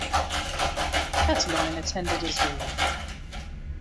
Catiline attended as well.